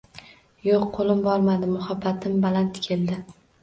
Yo’q, qo’lim bormadi, muhabbatim baland keldi